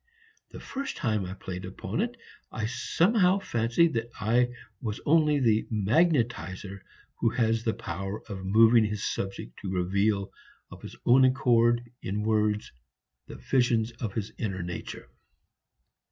The first time I played upon it I somehow fancied that I was only the magnetizer who has the power of moving his subject to reveal of his own accord in words the visions of his inner nature.